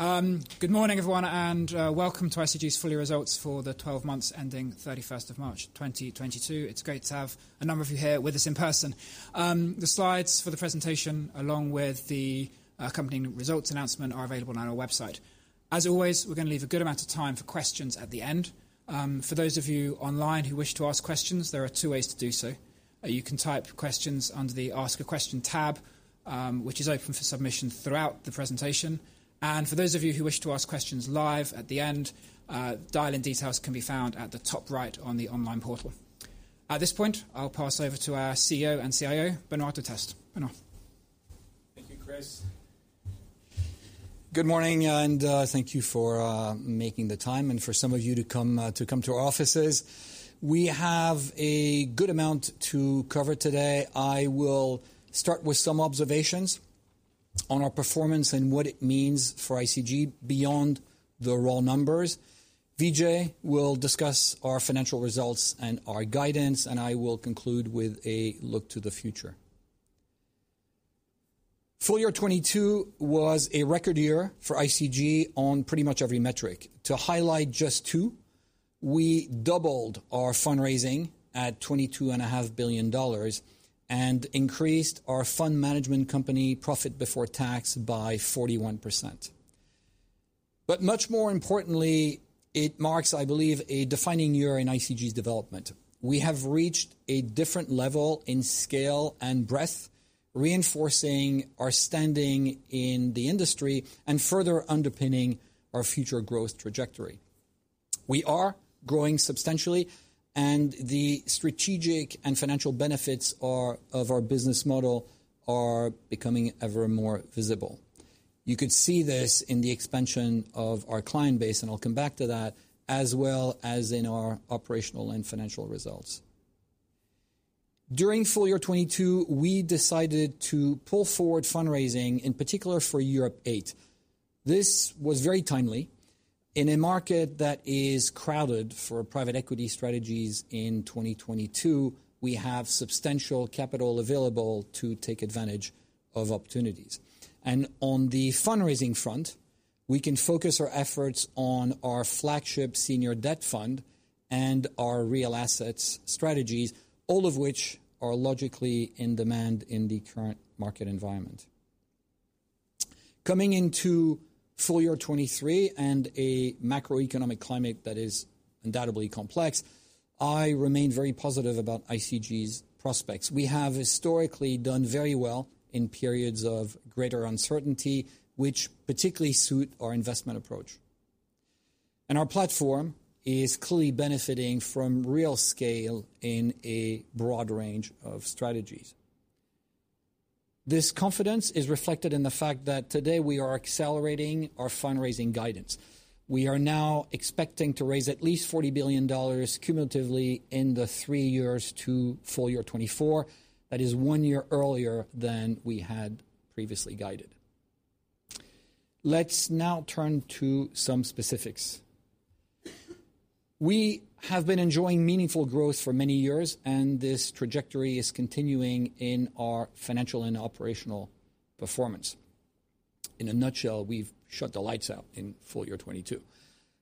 Good morning, everyone, and welcome to ICG's full year results for the 12 months ending 31st of March 2022. It's great to have a number of you here with us in person. The slides for the presentation, along with the accompanying results announcement, are available on our website. As always, we're gonna leave a good amount of time for questions at the end. For those of you online who wish to ask questions, there are two ways to do so. You can type questions under the Ask a question tab, which is open for submission throughout the presentation. For those of you who wish to ask questions live at the end, dial-in details can be found at the top right on the online portal. At this point, I'll pass over to our CEO and CIO, Benoît Durteste. Thank you, Chris. Good morning, and thank you for making the time and for some of you to come to our offices. We have a good amount to cover today. I will start with some observations on our performance and what it means for ICG beyond the raw numbers. Vijay will discuss our financial results and our guidance, and I will conclude with a look to the future. Full year 2022 was a record year for ICG on pretty much every metric. To highlight just two, we doubled our fundraising at $22.5 billion and increased our fund management company profit before tax by 41%. Much more importantly, it marks, I believe, a defining year in ICG's development. We have reached a different level in scale and breadth, reinforcing our standing in the industry and further underpinning our future growth trajectory. We are growing substantially, and the strategic and financial benefits of our business model are becoming ever more visible. You could see this in the expansion of our client base, and I'll come back to that, as well as in our operational and financial results. During full year 2022, we decided to pull forward fundraising, in particular for Europe Eight. This was very timely. In a market that is crowded for private equity strategies in 2022, we have substantial capital available to take advantage of opportunities. On the fundraising front, we can focus our efforts on our flagship senior debt fund and our real assets strategies, all of which are logically in demand in the current market environment. Coming into full year 2023 and a macroeconomic climate that is undoubtedly complex, I remain very positive about ICG's prospects. We have historically done very well in periods of greater uncertainty, which particularly suit our investment approach. Our platform is clearly benefiting from real scale in a broad range of strategies. This confidence is reflected in the fact that today we are accelerating our fundraising guidance. We are now expecting to raise at least $40 billion cumulatively in the three years to full year 2024. That is one year earlier than we had previously guided. Let's now turn to some specifics. We have been enjoying meaningful growth for many years, and this trajectory is continuing in our financial and operational performance. In a nutshell, we've shut the lights out in full year 2022.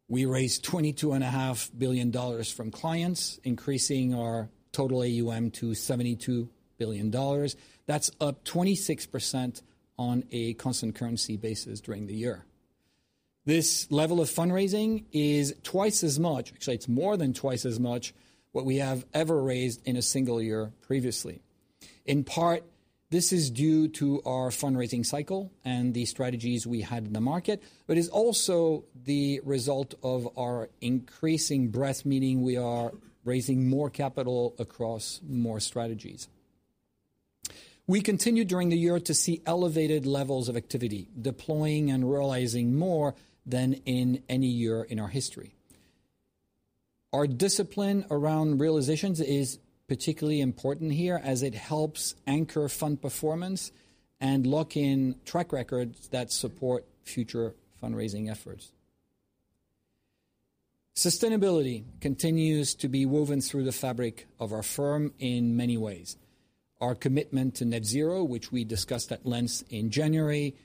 We raised $22.5 billion from clients, increasing our total AUM to $72 billion. That's up 26% on a constant currency basis during the year. This level of fundraising is twice as much, actually it's more than twice as much, what we have ever raised in a single year previously. In part, this is due to our fundraising cycle and the strategies we had in the market, but it's also the result of our increasing breadth, meaning we are raising more capital across more strategies. We continued during the year to see elevated levels of activity, deploying and realizing more than in any year in our history. Our discipline around realizations is particularly important here as it helps anchor fund performance and lock in track records that support future fundraising efforts. Sustainability continues to be woven through the fabric of our firm in many ways. Our commitment to net zero, which we discussed at length in January,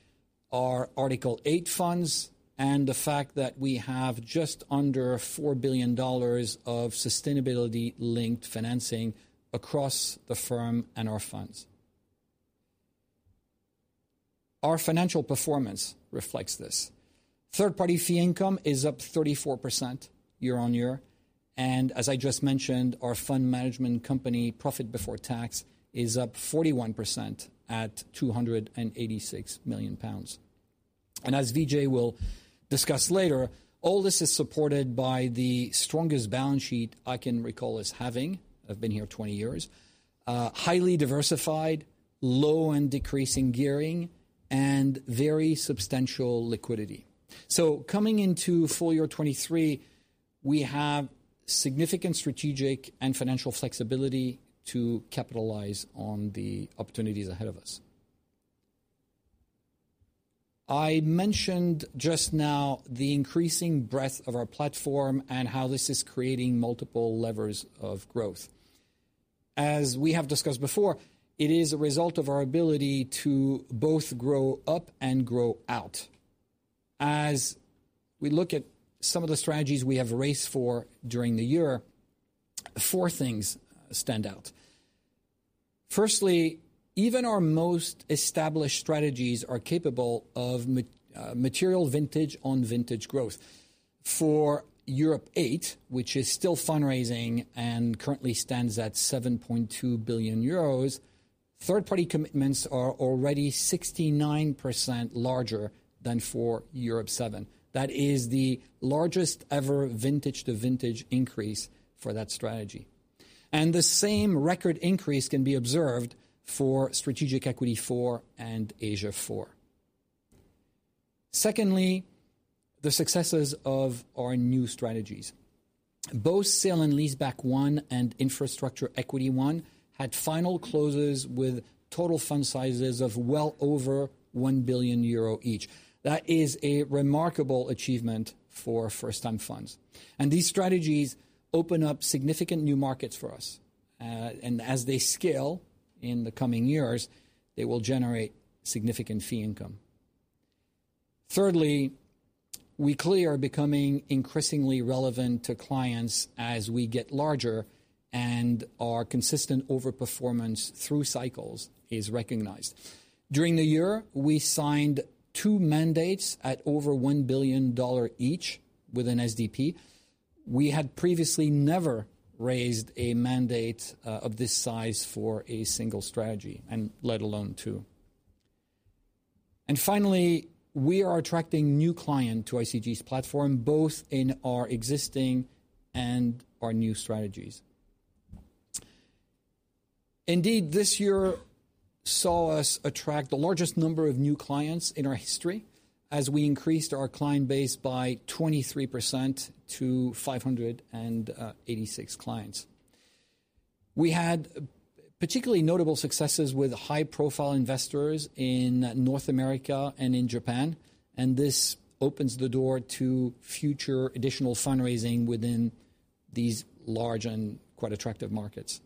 our Article 8 funds, and the fact that we have just under $4 billion of sustainability-linked financing across the firm and our funds. Our financial performance reflects this. Third-party fee income is up 34% year-on-year, and as I just mentioned, our fund management company profit before tax is up 41% at 286 million pounds. As Vijay will discuss later, all this is supported by the strongest balance sheet I can recall us having. I've been here 20 years. Highly diversified, low and decreasing gearing, and very substantial liquidity. Coming into full year 2023, we have significant strategic and financial flexibility to capitalize on the opportunities ahead of us. I mentioned just now the increasing breadth of our platform and how this is creating multiple levers of growth. As we have discussed before, it is a result of our ability to both grow up and grow out. As we look at some of the strategies we have raised for during the year, four things stand out. Firstly, even our most established strategies are capable of material vintage on vintage growth. For Europe Eight, which is still fundraising and currently stands at 7.2 billion euros, third-party commitments are already 69% larger than for Europe Seven. That is the largest ever vintage to vintage increase for that strategy. The same record increase can be observed for Strategic Equity Four and Asia Four. Secondly, the successes of our new strategies. Both Sale and Leaseback 1 and Infrastructure Equity 1 had final closes with total fund sizes of well over 1 billion euro each. That is a remarkable achievement for first-time funds. These strategies open up significant new markets for us. As they scale in the coming years, they will generate significant fee income. Thirdly, we clearly are becoming increasingly relevant to clients as we get larger and our consistent over-performance through cycles is recognized. During the year, we signed two mandates at over $1 billion each with an SDP. We had previously never raised a mandate of this size for a single strategy, and let alone two. Finally, we are attracting new client to ICG's platform, both in our existing and our new strategies. Indeed, this year saw us attract the largest number of new clients in our history as we increased our client base by 23% to 586 clients. We had particularly notable successes with high-profile investors in North America and in Japan, and this opens the door to future additional fundraising within these large and quite attractive markets.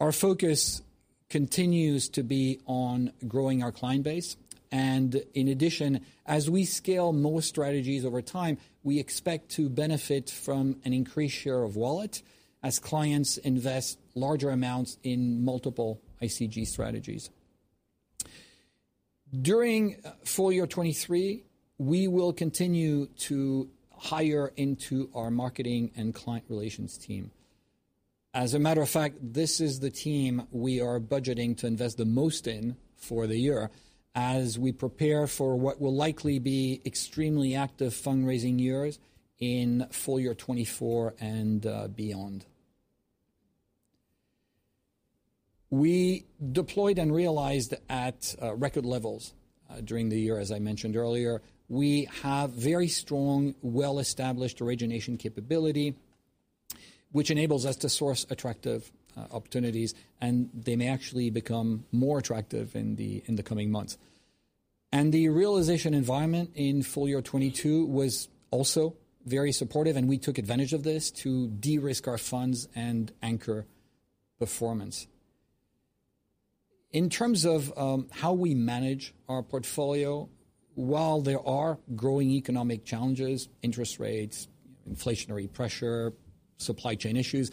Our focus continues to be on growing our client base. In addition, as we scale more strategies over time, we expect to benefit from an increased share of wallet as clients invest larger amounts in multiple ICG strategies. During full year 2023, we will continue to hire into our marketing and client relations team. As a matter of fact, this is the team we are budgeting to invest the most in for the year as we prepare for what will likely be extremely active fundraising years in full year 2024 and beyond. We deployed and realized at record levels during the year, as I mentioned earlier. We have very strong, well-established origination capability which enables us to source attractive opportunities, and they may actually become more attractive in the coming months. The realization environment in full year 2022 was also very supportive, and we took advantage of this to de-risk our funds and anchor performance. In terms of how we manage our portfolio, while there are growing economic challenges, interest rates, inflationary pressure, supply chain issues,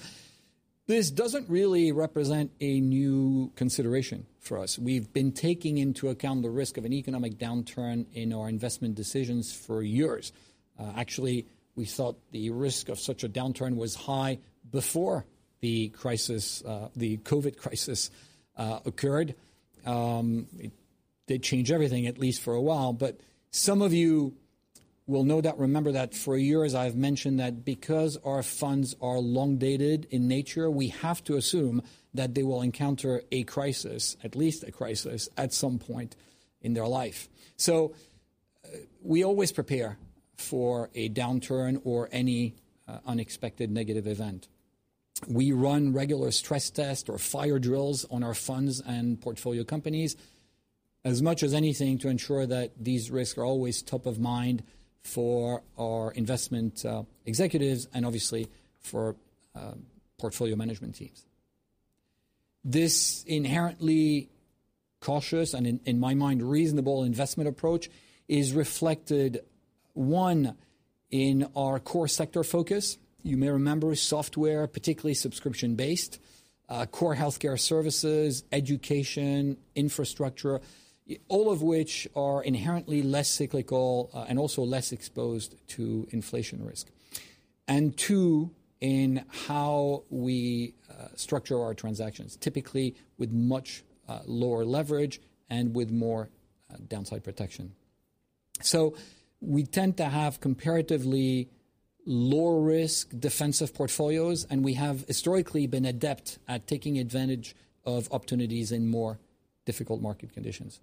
this doesn't really represent a new consideration for us. We've been taking into account the risk of an economic downturn in our investment decisions for years. Actually, we thought the risk of such a downturn was high before the crisis, the COVID crisis, occurred. It did change everything, at least for a while, but some of you will know that, remember that for years I've mentioned that because our funds are long-dated in nature, we have to assume that they will encounter a crisis at some point in their life. We always prepare for a downturn or any unexpected negative event. We run regular stress tests or fire drills on our funds and portfolio companies as much as anything to ensure that these risks are always top of mind for our investment executives and obviously for portfolio management teams. This inherently cautious and in my mind, reasonable investment approach is reflected, one, in our core sector focus. You may remember software, particularly subscription-based, core healthcare services, education, infrastructure, all of which are inherently less cyclical, and also less exposed to inflation risk. Two, in how we structure our transactions, typically with much lower leverage and with more downside protection. We tend to have comparatively lower risk defensive portfolios, and we have historically been adept at taking advantage of opportunities in more difficult market conditions.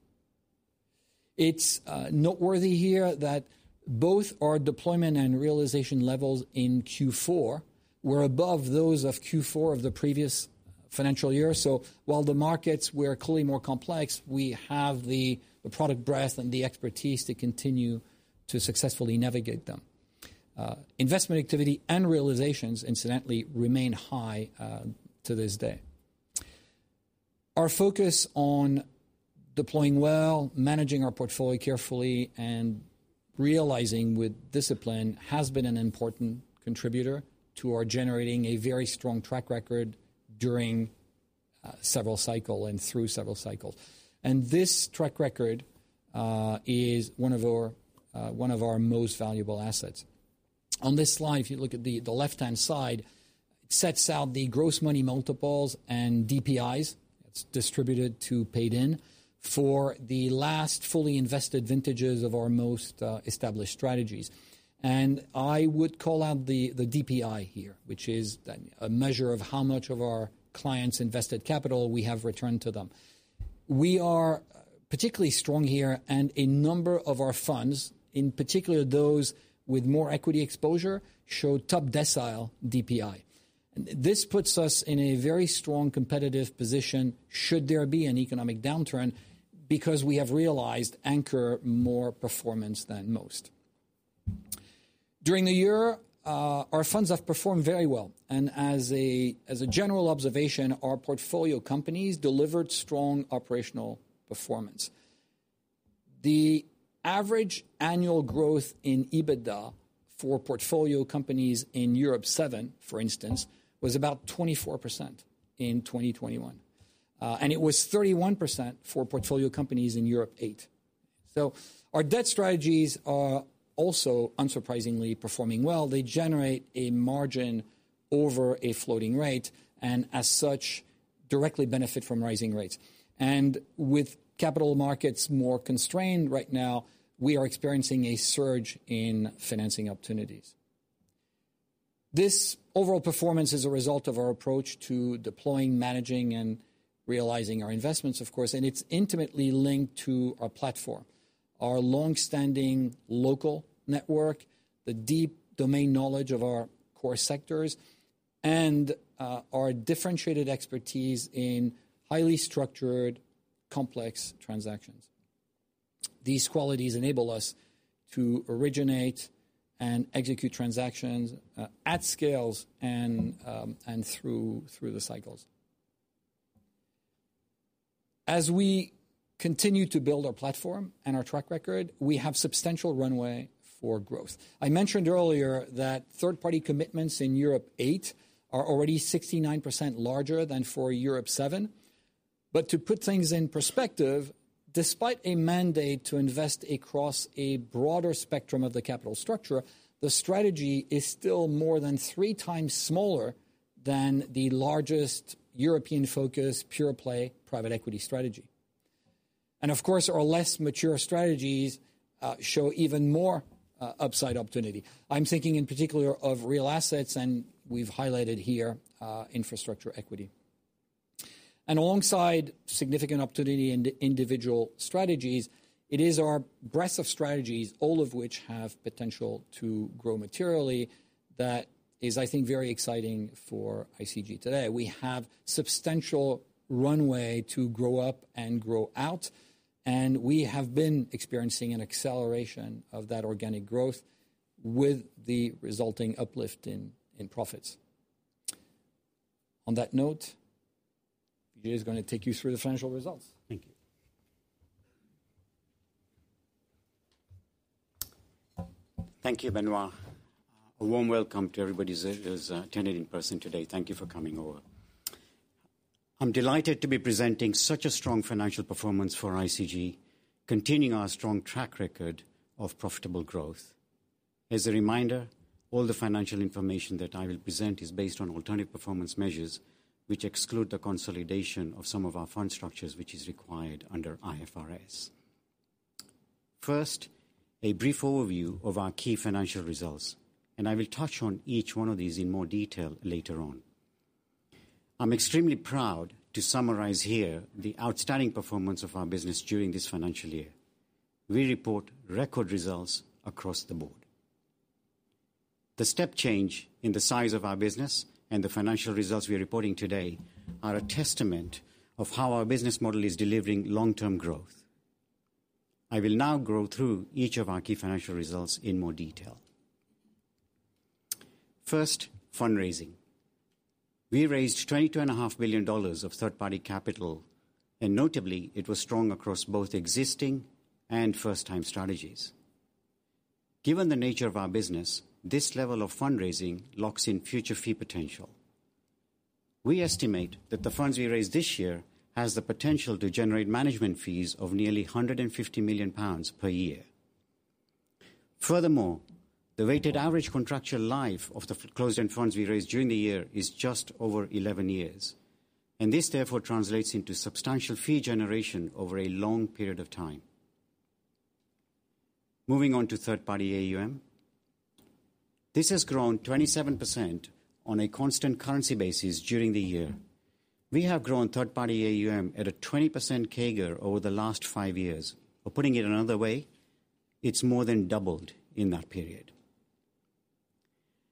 It's noteworthy here that both our deployment and realization levels in Q4 were above those of Q4 of the previous financial year. While the markets were clearly more complex, we have the product breadth and the expertise to continue to successfully navigate them. Investment activity and realizations incidentally remain high to this day. Our focus on deploying well, managing our portfolio carefully, and realizing with discipline has been an important contributor to our generating a very strong track record during several cycle and through several cycles. This track record is one of our most valuable assets. On this slide, if you look at the left-hand side, it sets out the gross money multiples and DPIs, distributed to paid in, for the last fully invested vintages of our most established strategies. I would call out the DPI here, which is a measure of how much of our clients' invested capital we have returned to them. We are particularly strong here and a number of our funds, in particular those with more equity exposure, show top decile DPI. This puts us in a very strong competitive position should there be an economic downturn, because we have realized more performance than most. During the year, our funds have performed very well, and as a general observation, our portfolio companies delivered strong operational performance. The average annual growth in EBITDA for portfolio companies in Europe VII, for instance, was about 24% in 2021. It was 31% for portfolio companies in Europe VIII. Our debt strategies are also unsurprisingly performing well. They generate a margin over a floating rate, and as such, directly benefit from rising rates. With capital markets more constrained right now, we are experiencing a surge in financing opportunities. This overall performance is a result of our approach to deploying, managing, and realizing our investments, of course, and it's intimately linked to our platform. Our long-standing local network, the deep domain knowledge of our core sectors, and our differentiated expertise in highly structured, complex transactions. These qualities enable us to originate and execute transactions at scales and through the cycles. As we continue to build our platform and our track record, we have substantial runway for growth. I mentioned earlier that third-party commitments in Europe Eight are already 69% larger than for Europe Seven. To put things in perspective, despite a mandate to invest across a broader spectrum of the capital structure, the strategy is still more than three times smaller than the largest European-focused pure play private equity strategy. Of course, our less mature strategies show even more upside opportunity. I'm thinking in particular of real assets, and we've highlighted here infrastructure equity. Alongside significant opportunity in the individual strategies, it is our breadth of strategies, all of which have potential to grow materially, that is, I think, very exciting for ICG today. We have substantial runway to grow up and grow out, and we have been experiencing an acceleration of that organic growth with the resulting uplift in profits. On that note, PJ is gonna take you through the financial results. Thank you. Thank you, Benoît. A warm welcome to everybody that has attended in person today. Thank you for coming over. I'm delighted to be presenting such a strong financial performance for ICG, continuing our strong track record of profitable growth. As a reminder, all the financial information that I will present is based on alternative performance measures, which exclude the consolidation of some of our fund structures which is required under IFRS. First, a brief overview of our key financial results, and I will touch on each one of these in more detail later on. I'm extremely proud to summarize here the outstanding performance of our business during this financial year. We report record results across the board. The step change in the size of our business and the financial results we are reporting today are a testament of how our business model is delivering long-term growth. I will now go through each of our key financial results in more detail. First, fundraising. We raised $22.5 billion of third-party capital, and notably, it was strong across both existing and first-time strategies. Given the nature of our business, this level of fundraising locks in future fee potential. We estimate that the funds we raised this year has the potential to generate management fees of nearly 150 million pounds per year. Furthermore, the weighted average contractual life of the closed-end funds we raised during the year is just over 11 years, and this therefore translates into substantial fee generation over a long period of time. Moving on to third-party AUM. This has grown 27% on a constant currency basis during the year. We have grown third-party AUM at a 20% CAGR over the last five years. Putting it another way, it's more than doubled in that period.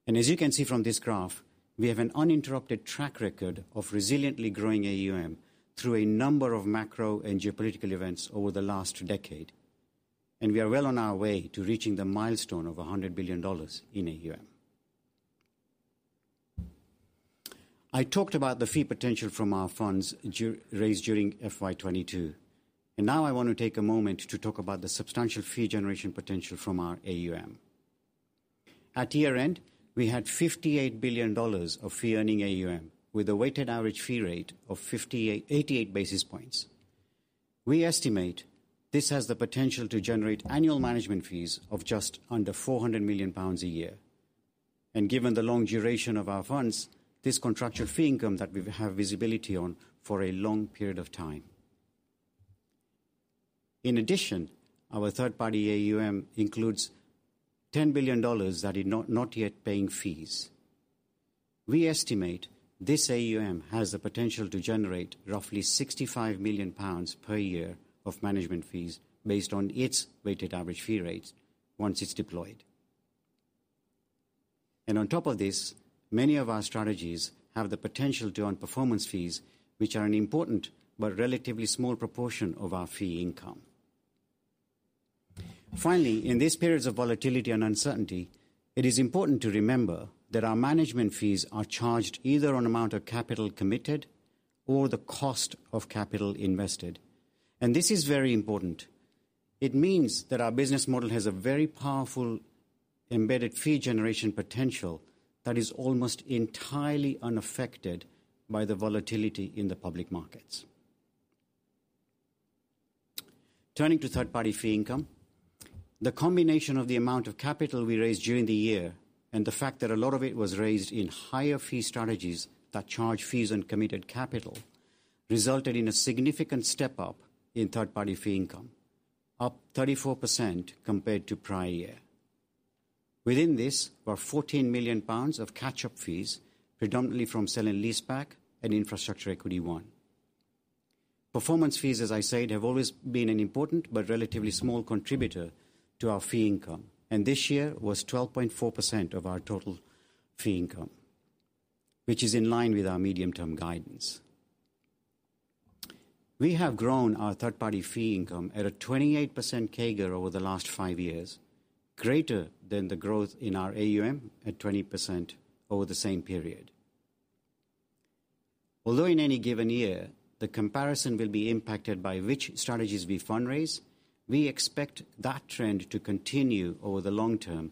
As you can see from this graph, we have an uninterrupted track record of resiliently growing AUM through a number of macro and geopolitical events over the last decade. We are well on our way to reaching the milestone of $100 billion in AUM. I talked about the fee potential from our funds raised during FY 2022. Now I wanna take a moment to talk about the substantial fee generation potential from our AUM. At year-end, we had $58 billion of fee-earning AUM, with a weighted average fee rate of 88 basis points. We estimate this has the potential to generate annual management fees of just under 400 million pounds a year. Given the long duration of our funds, this contractual fee income that we have visibility on for a long period of time. In addition, our third party AUM includes $10 billion that are not yet paying fees. We estimate this AUM has the potential to generate roughly 65 million pounds per year of management fees based on its weighted average fee rates once it's deployed. On top of this, many of our strategies have the potential to earn performance fees, which are an important but relatively small proportion of our fee income. Finally, in these periods of volatility and uncertainty, it is important to remember that our management fees are charged either on amount of capital committed or the cost of capital invested. This is very important. It means that our business model has a very powerful embedded fee generation potential that is almost entirely unaffected by the volatility in the public markets. Turning to third-party fee income, the combination of the amount of capital we raised during the year, and the fact that a lot of it was raised in higher fee strategies that charge fees on committed capital, resulted in a significant step-up in third-party fee income, up 34% compared to prior year. Within this were 14 million pounds of catch-up fees, predominantly from Sale and Leaseback and Infrastructure Equity 1. Performance fees, as I said, have always been an important but relatively small contributor to our fee income, and this year was 12.4% of our total fee income, which is in line with our medium-term guidance. We have grown our third party fee income at a 28% CAGR over the last five years, greater than the growth in our AUM at 20% over the same period. Although in any given year, the comparison will be impacted by which strategies we fundraise, we expect that trend to continue over the long term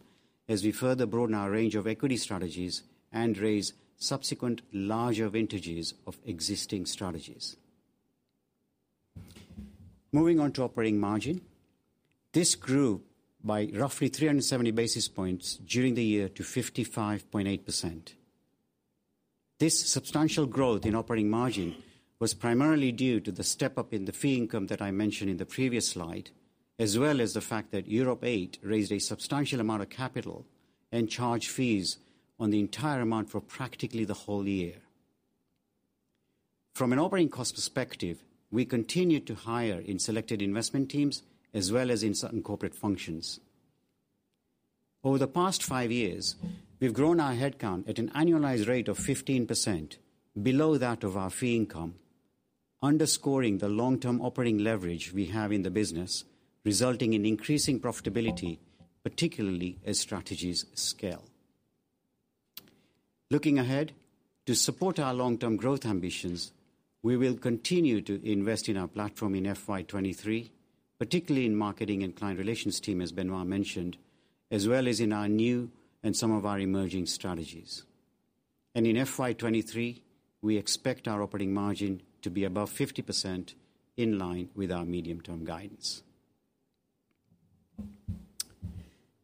as we further broaden our range of equity strategies and raise subsequent larger vintages of existing strategies. Moving on to operating margin. This grew by roughly 370 basis points during the year to 55.8%. This substantial growth in operating margin was primarily due to the step-up in the fee income that I mentioned in the previous slide, as well as the fact that Europe VIII raised a substantial amount of capital and charged fees on the entire amount for practically the whole year. From an operating cost perspective, we continued to hire in selected investment teams as well as in certain corporate functions. Over the past five years, we've grown our head count at an annualized rate of 15% below that of our fee income, underscoring the long-term operating leverage we have in the business, resulting in increasing profitability, particularly as strategies scale. Looking ahead, to support our long-term growth ambitions, we will continue to invest in our platform in FY 2023, particularly in marketing and client relations team, as Benoît mentioned, as well as in our new and some of our emerging strategies. In FY 2023, we expect our operating margin to be above 50% in line with our medium-term guidance.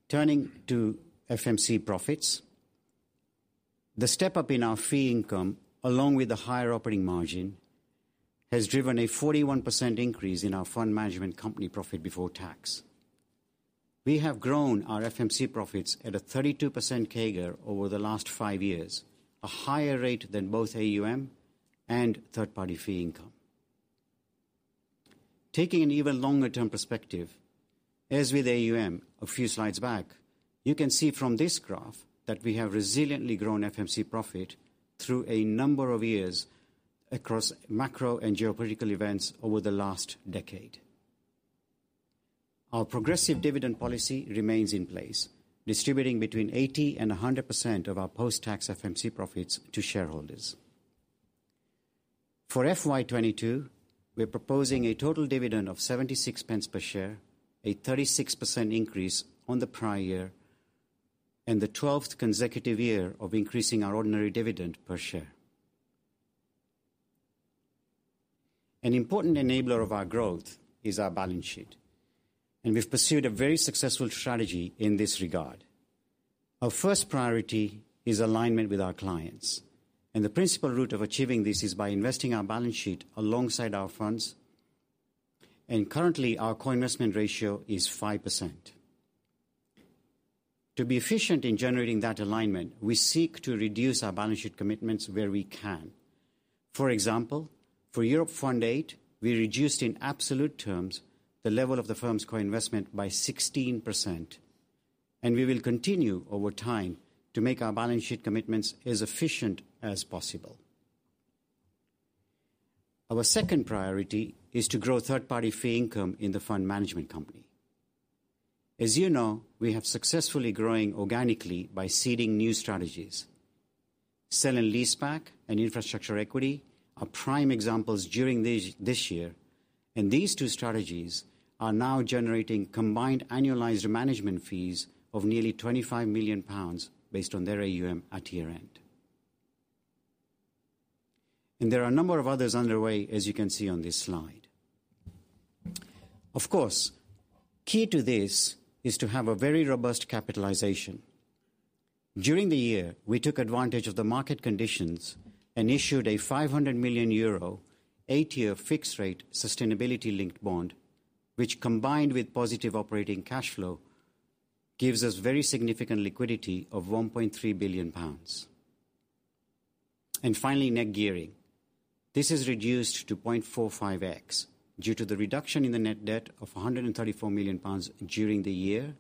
Turning to FMC profits. The step-up in our fee income, along with the higher operating margin, has driven a 41% increase in our fund management company profit before tax. We have grown our FMC profits at a 32% CAGR over the last five years, a higher rate than both AUM and third party fee income. Taking an even longer term perspective, as with AUM, a few slides back, you can see from this graph that we have resiliently grown FMC profit through a number of years across macro and geopolitical events over the last decade. Our progressive dividend policy remains in place, distributing between 80%-100% of our post-tax FMC profits to shareholders. For FY 2022, we're proposing a total dividend of 0.76 per share, a 36% increase on the prior year, and the twelfth consecutive year of increasing our ordinary dividend per share. An important enabler of our growth is our balance sheet, and we've pursued a very successful strategy in this regard. Our first priority is alignment with our clients, and the principal route of achieving this is by investing our balance sheet alongside our funds. Currently, our co-investment ratio is 5%. To be efficient in generating that alignment, we seek to reduce our balance sheet commitments where we can. For example, for Europe Fund, we reduced in absolute terms the level of the firm's co-investment by 16%. We will continue over time to make our balance sheet commitments as efficient as possible. Our second priority is to grow third-party fee income in the fund management company. As you know, we have successfully growing organically by seeding new strategies. Sale and Leaseback and Infrastructure Equity are prime examples during this year, and these two strategies are now generating combined annualized management fees of nearly 25 million pounds based on their AUM at year-end. There are a number of others underway, as you can see on this slide. Of course, key to this is to have a very robust capitalization. During the year, we took advantage of the market conditions and issued a 500 million euro, eight-year fixed rate sustainability-linked bond, which combined with positive operating cash flow, gives us very significant liquidity of 1.3 billion pounds. Finally, net gearing. This is reduced to 0.45x due to the reduction in the net debt of 134 million pounds during the year,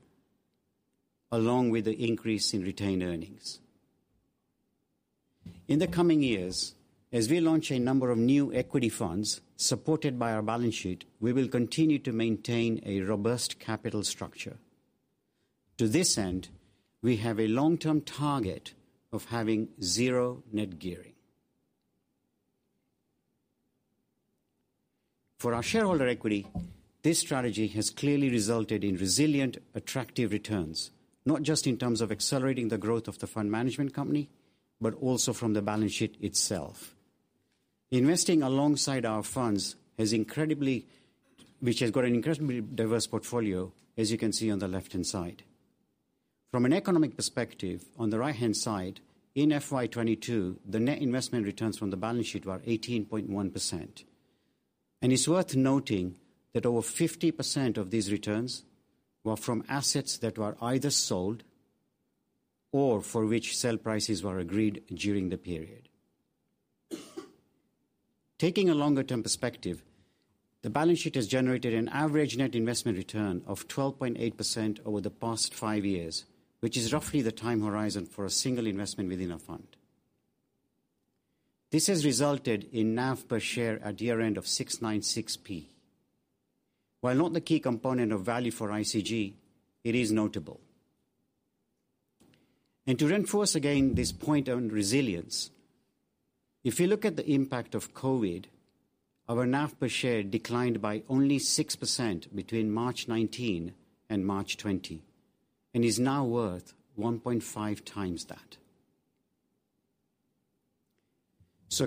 along with the increase in retained earnings. In the coming years, as we launch a number of new equity funds supported by our balance sheet, we will continue to maintain a robust capital structure. To this end, we have a long-term target of having zero net gearing. For our shareholder equity, this strategy has clearly resulted in resilient, attractive returns, not just in terms of accelerating the growth of the fund management company, but also from the balance sheet itself. Investing alongside our funds, which has got an incredibly diverse portfolio, as you can see on the left-hand side. From an economic perspective on the right-hand side, in FY 2022, the net investment returns from the balance sheet were 18.1%. It's worth noting that over 50% of these returns were from assets that were either sold or for which sell prices were agreed during the period. Taking a longer-term perspective, the balance sheet has generated an average net investment return of 12.8% over the past five years, which is roughly the time horizon for a single investment within a fund. This has resulted in NAV per share at year-end of 696p. While not the key component of value for ICG, it is notable. To reinforce again this point on resilience, if you look at the impact of COVID, our NAV per share declined by only 6% between March 2019 and March 2020, and is now worth 1.5 times that.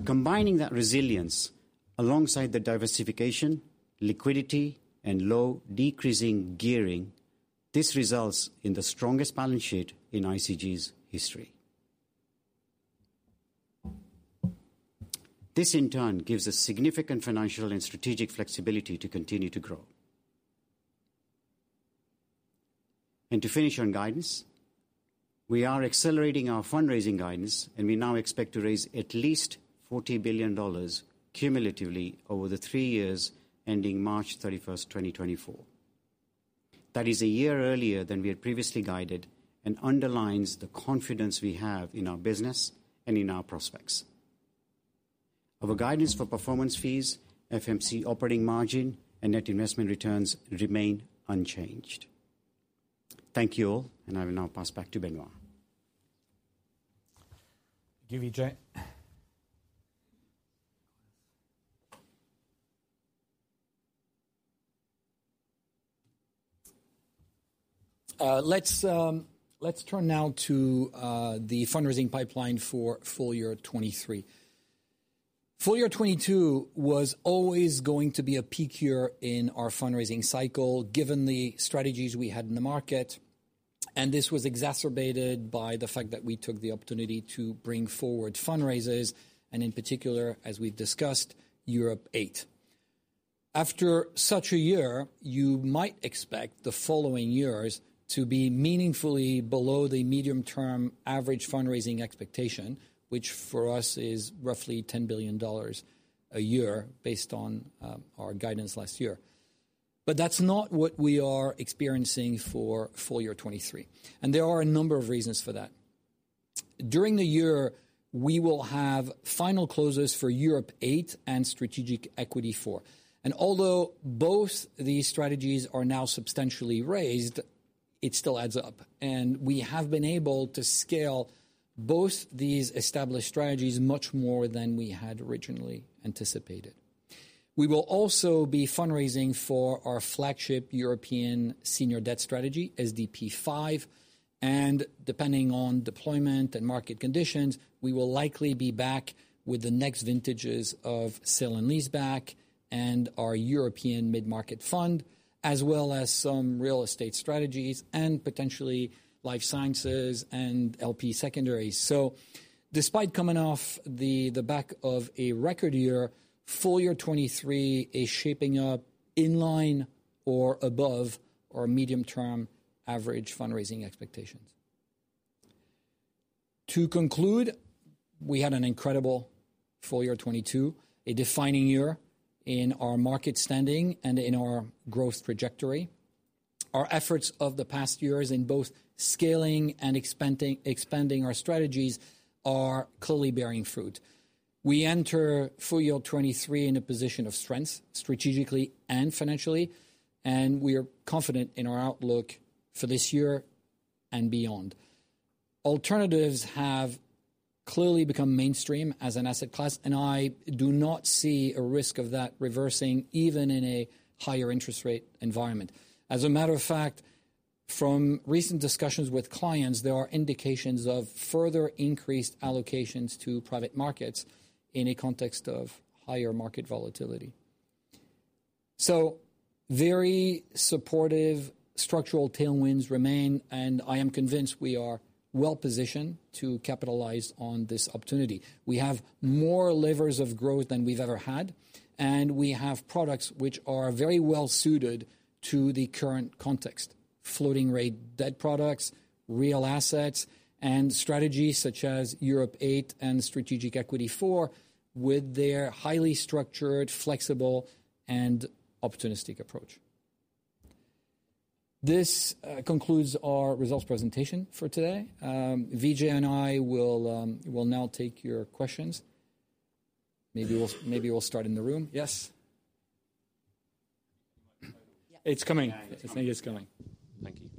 Combining that resilience alongside the diversification, liquidity, and low decreasing gearing, this results in the strongest balance sheet in ICG's history. This, in turn, gives us significant financial and strategic flexibility to continue to grow. To finish on guidance, we are accelerating our fundraising guidance, and we now expect to raise at least $40 billion cumulatively over the three years ending March 31, 2024. That is a year earlier than we had previously guided and underlines the confidence we have in our business and in our prospects. Our guidance for performance fees, FMC operating margin, and net investment returns remain unchanged. Thank you all, and I will now pass back to Benoît. Thank you, Jay. Let's turn now to the fundraising pipeline for full year 2023. Full year 2022 was always going to be a peak year in our fundraising cycle, given the strategies we had in the market, and this was exacerbated by the fact that we took the opportunity to bring forward fundraisers, and in particular, as we've discussed, Europe Eight. After such a year, you might expect the following years to be meaningfully below the medium-term average fundraising expectation, which for us is roughly $10 billion a year based on our guidance last year. That's not what we are experiencing for full year 2023, and there are a number of reasons for that. During the year, we will have final closes for Europe Eight and Strategic Equity Four. Although both these strategies are now substantially raised, it still adds up. We have been able to scale both these established strategies much more than we had originally anticipated. We will also be fundraising for our flagship European senior debt strategy, SDP Five, and depending on deployment and market conditions, we will likely be back with the next vintages of sale and leaseback and our European mid-market fund, as well as some real estate strategies and potentially life sciences and LP secondary. Despite coming off the back of a record year, full year 2023 is shaping up in line or above our medium-term average fundraising expectations. To conclude, we had an incredible full year 2022, a defining year in our market standing and in our growth trajectory. Our efforts of the past years in both scaling and expanding our strategies are clearly bearing fruit. We enter full year 2023 in a position of strength, strategically and financially, and we are confident in our outlook for this year and beyond. Alternatives have clearly become mainstream as an asset class, and I do not see a risk of that reversing even in a higher interest rate environment. As a matter of fact, from recent discussions with clients, there are indications of further increased allocations to private markets in a context of higher market volatility. Very supportive structural tailwinds remain, and I am convinced we are well-positioned to capitalize on this opportunity. We have more levers of growth than we've ever had, and we have products which are very well suited to the current context. Floating rate debt products, real assets, and strategies such as Europe Eight and Strategic Equity Four with their highly structured, flexible, and opportunistic approach. This concludes our results presentation for today. Vijay and I will now take your questions. Maybe we'll start in the room. Yes. It's coming. I think it's coming. Thank you.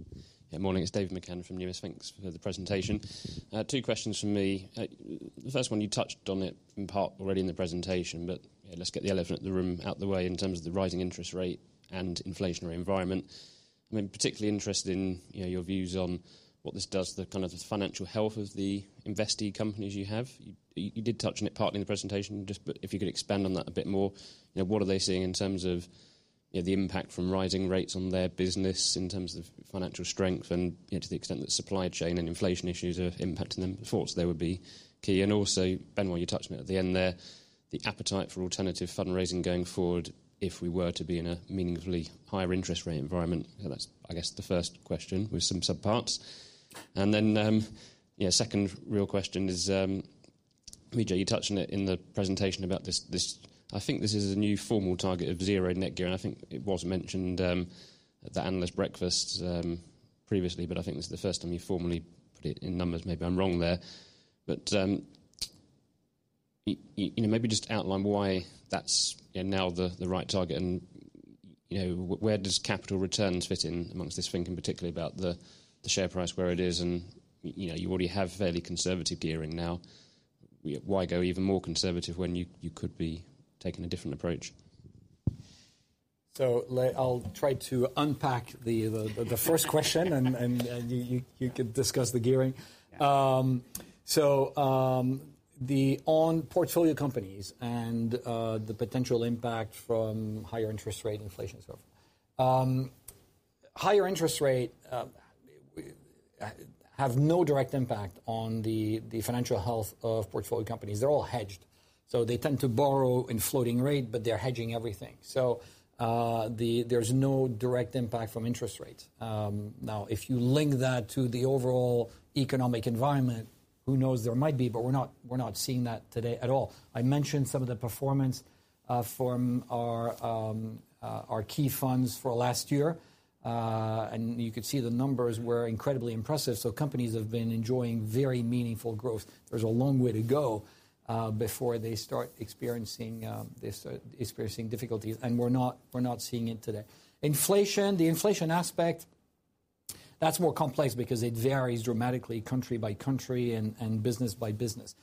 Yeah, morning. It's David McCann from UBS. Thanks for the presentation. Two questions from me. The first one, you touched on it in part already in the presentation, but let's get the elephant in the room out the way in terms of the rising interest rate and inflationary environment. I'm particularly interested in, you know, your views on what this does to kind of the financial health of the investee companies you have. You did touch on it partly in the presentation, just but if you could expand on that a bit more. You know, what are they seeing in terms of, you know, the impact from rising rates on their business in terms of financial strength and, you know, to the extent that supply chain and inflation issues are impacting them before, so they would be key. Benoît, you touched on it at the end there, the appetite for alternative fundraising going forward if we were to be in a meaningfully higher interest rate environment. That's, I guess, the first question with some sub-parts. Second real question is, Vijay, you touched on it in the presentation about this. I think this is a new formal target of net zero, and I think it was mentioned at the analyst breakfast previously, but I think this is the first time you formally put it in numbers. Maybe I'm wrong there. You know, maybe just outline why that's now the right target and, you know, where does capital returns fit in amongst this thinking, particularly about the share price where it is and, you know, you already have fairly conservative gearing now. Why go even more conservative when you could be taking a different approach? I'll try to unpack the first question and you could discuss the gearing. The one on portfolio companies and the potential impact from higher interest rates, inflation and so forth. Higher interest rates have no direct impact on the financial health of portfolio companies. They're all hedged. They tend to borrow in floating rate, but they're hedging everything. There's no direct impact from interest rates. Now, if you link that to the overall economic environment, who knows, there might be, but we're not seeing that today at all. I mentioned some of the performance from our key funds for last year, and you could see the numbers were incredibly impressive. Companies have been enjoying very meaningful growth. There's a long way to go before they start experiencing difficulties, and we're not seeing it today. Inflation, the inflation aspect, that's more complex because it varies dramatically country by country and business by business.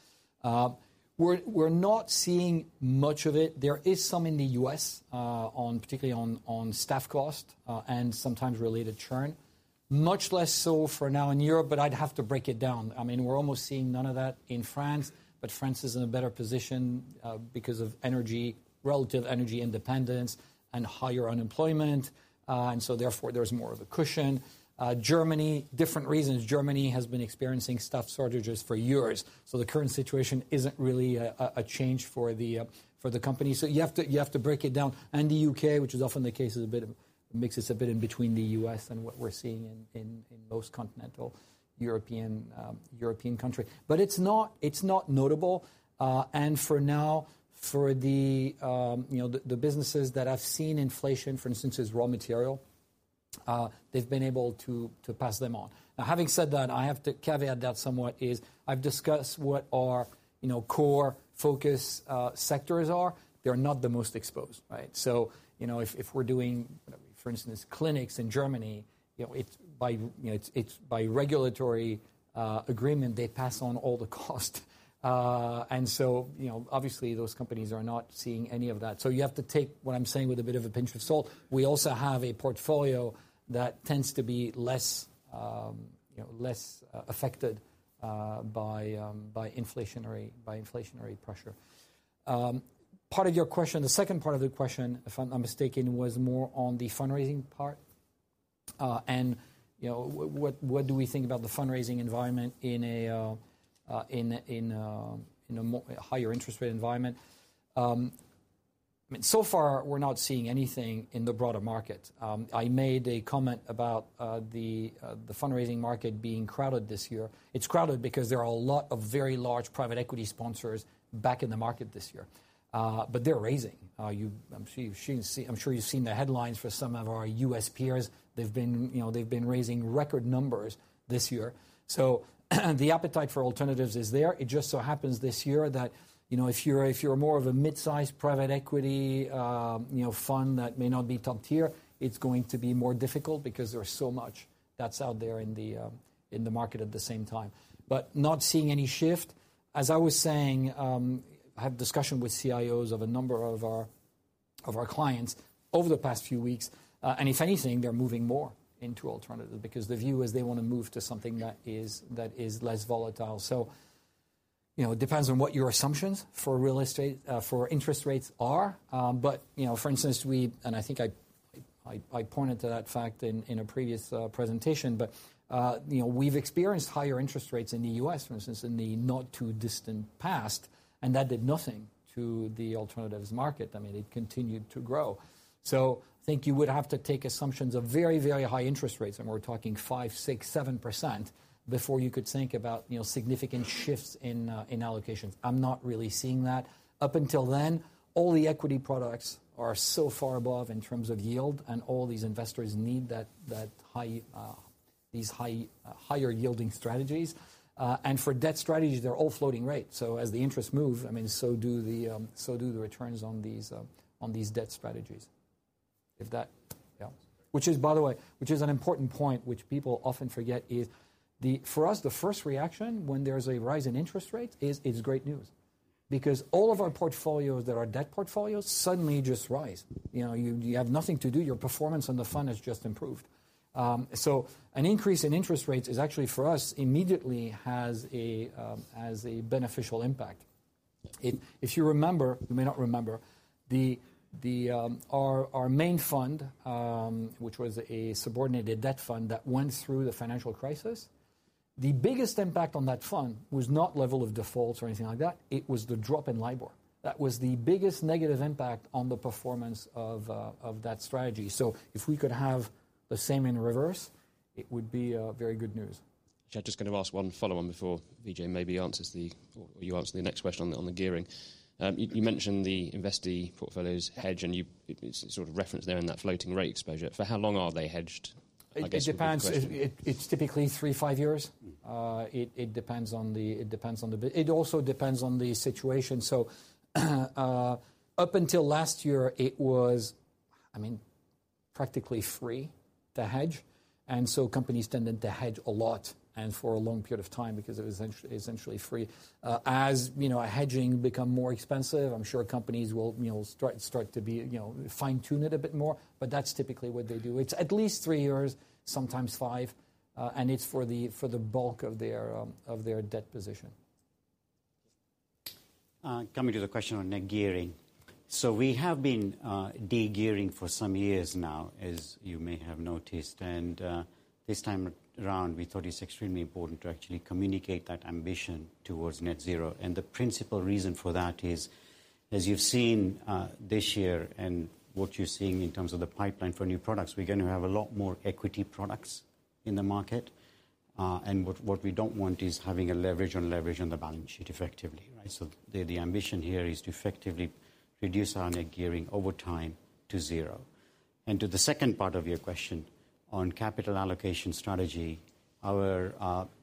We're not seeing much of it. There is some in the U.S., particularly on staff cost, and sometimes related churn. Much less so for now in Europe, but I'd have to break it down. I mean, we're almost seeing none of that in France, but France is in a better position because of energy, relative energy independence and higher unemployment, and so therefore, there's more of a cushion. Germany, different reasons. Germany has been experiencing staff shortages for years. The current situation isn't really a change for the company. You have to break it down. The U.K., which is often the case, is a bit of a mix, a bit in between the U.S. and what we're seeing in most continental European country. It's not notable, and for now, you know, the businesses that have seen inflation, for instance, raw materials, they've been able to pass them on. Now, having said that, I have to caveat that somewhat, as I've discussed what our, you know, core focus sectors are. They're not the most exposed, right? You know, if we're doing, for instance, clinics in Germany, you know, it's by regulatory agreement, they pass on all the cost. You know, obviously those companies are not seeing any of that. You have to take what I'm saying with a bit of a pinch of salt. We also have a portfolio that tends to be less, you know, affected by inflationary pressure. Part of your question, the second part of the question, if I'm not mistaken, was more on the fundraising part, and, you know, what do we think about the fundraising environment in a higher interest rate environment. I mean, so far we're not seeing anything in the broader market. I made a comment about the fundraising market being crowded this year. It's crowded because there are a lot of very large private equity sponsors back in the market this year. They're raising. I'm sure you've seen the headlines for some of our U.S. peers. They've been, you know, raising record numbers this year. The appetite for alternatives is there. It just so happens this year that, you know, if you're more of a mid-sized private equity fund that may not be top tier, it's going to be more difficult because there's so much that's out there in the market at the same time. Not seeing any shift. As I was saying, I have discussion with CIOs of a number of our clients over the past few weeks. If anything, they're moving more into alternatives because the view is they wanna move to something that is less volatile. You know, it depends on what your assumptions for real estate, for interest rates are. You know, for instance, and I think I pointed to that fact in a previous presentation. You know, we've experienced higher interest rates in the U.S., for instance, in the not too distant past, and that did nothing to the alternatives market. I mean, it continued to grow. I think you would have to take assumptions of very, very high interest rates, and we're talking 5%-7% before you could think about, you know, significant shifts in allocations. I'm not really seeing that. Up until then, all the equity products are so far above in terms of yield, and all these investors need that high, these high, higher yielding strategies. For debt strategies, they're all floating rates. As the interest rates move, I mean, so do the returns on these debt strategies. Which is, by the way, an important point which people often forget, for us, the first reaction when there's a rise in interest rates is it's great news because all of our portfolios that are debt portfolios suddenly just rise. You know, you have nothing to do, your performance on the fund has just improved. An increase in interest rates is actually for us, immediately has a beneficial impact. If you remember, you may not remember, our main fund, which was a subordinated debt fund that went through the financial crisis, the biggest impact on that fund was not level of defaults or anything like that, it was the drop in LIBOR. That was the biggest negative impact on the performance of that strategy. If we could have the same in reverse, it would be very good news. Yeah, just gonna ask one follow on before Vijay maybe answers the, or you answer the next question on the gearing. You sort of referenced there in that floating rate exposure. For how long are they hedged, I guess would be the question. It depends. It's typically three to five years. It also depends on the situation. Up until last year it was, I mean, practically free to hedge, and companies tended to hedge a lot and for a long period of time because it was essentially free. As you know, as hedging becomes more expensive, I'm sure companies will, you know, start to fine-tune it a bit more, you know. That's typically what they do. It's at least three years, sometimes five, and it's for the bulk of their debt position. Coming to the question on net gearing. We have been de-gearing for some years now, as you may have noticed. This time around, we thought it's extremely important to actually communicate that ambition towards net zero. The principal reason for that is, as you've seen, this year and what you're seeing in terms of the pipeline for new products, we're going to have a lot more equity products in the market. What we don't want is having a leverage on leverage on the balance sheet effectively, right? The ambition here is to effectively reduce our net gearing over time to zero. To the second part of your question on capital allocation strategy, our